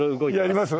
やります？